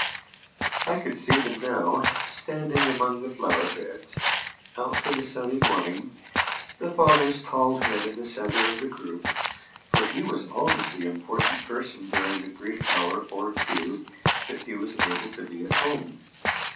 I could see them now, standing among the flower beds, out in the sunny morning, the father's tall head in the centre of the group for he was always the important person during the brief hour or two that he was able to be at home.